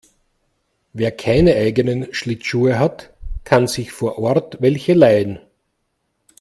Wer keine eigenen Schlittschuhe hat, kann sich vor Ort welche leihen.